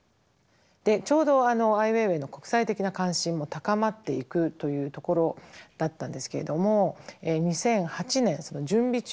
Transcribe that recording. ちょうどアイ・ウェイウェイの国際的な関心も高まっていくというところだったんですけれども２００８年その準備中にですね